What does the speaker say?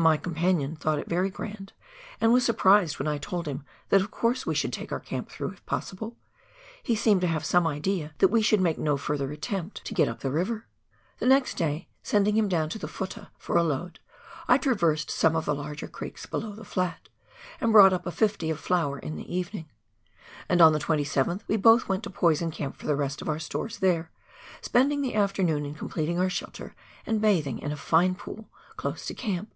My companion thought it very grand, and was surprised when I told him that of course we should take our camp through if possible — he seemed to have some idea that we should make no further attempt to get up KARAXGAEUA RIVER. 191 tte river. The next day, sending him down to the " futtah " for a load, I traversed some of the larger creeks below the flat, and brought up a "fifty " of flour in the evening. And on the 27th we both went to Poison Camp for the rest of our stores there, spending the afternoon in completing our shelter and bathing in a fine pool close to camp.